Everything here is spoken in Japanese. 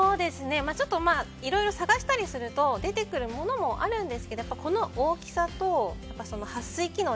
ちょっといろいろ探したりすると出てくるものもあるんですけどこの大きさと撥水機能。